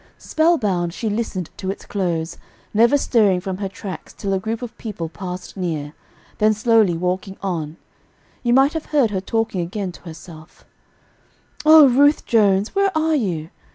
Spell bound, she listened to its close, never stirring from her tracks till a group of people passed near, then slowly walking on, you might have heard her talking again to herself: "O Ruth Jones, where are you?